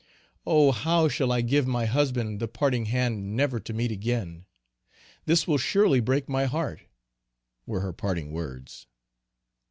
"Oh! how shall I give my husband the parting hand never to meet again? This will surely break my heart," were her parting words.